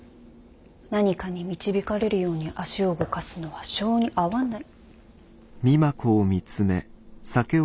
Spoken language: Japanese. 何かに導かれるように足を動かすのは性に合わない。